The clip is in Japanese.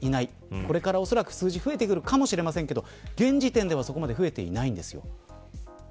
これから、おそらく数字が増えてくるかもしれませんが現時点ではそこまで増えていないんですよ。